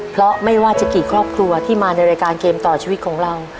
เพราะไม่ว่าจะกี่ครอบครัวที่มาในรายการเกมต่อชีวิตของเรา